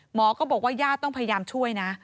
หมอก็บอกว่าญาติต้องพยายามช่วยนะ